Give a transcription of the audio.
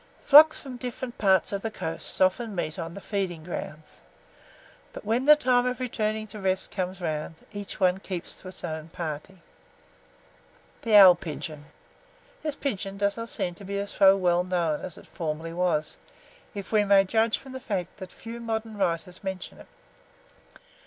Flocks from different parts of the coasts often meet on the feeding grounds; but when the time of returning to rest comes round, each one keeps to its own party. [Illustration: OWL PIGEONS.] THE OWL PIGEON. This pigeon does not seem to be so well known as it formerly was, if we may judge from the fact that few modern writers mention it.